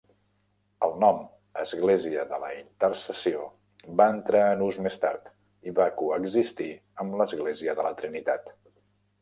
El nom "Església de la Intercessió" va entrar en ús més tard, i va coexistir amb l'Església de la Trinitat.